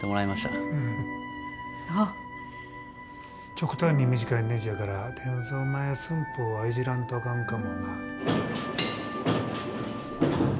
極端に短いねじやから転造前寸法はいじらんとあかんかもな。